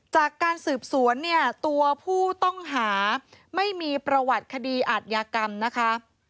จากการสืบสวนเนี่ยตัวผู้ต้องหาไม่มีประวัติคดีอาทยากรรมนะคะ